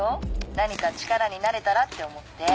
何か力になれたらって思って。